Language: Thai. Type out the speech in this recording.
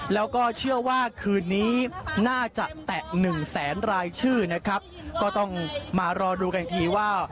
แล้วก็เชื่อว่าคืนนี้น่าจะแตะหนึ่งแสนรายชื่อนะครับก็ต้องมารอดูกันอีกทีว่า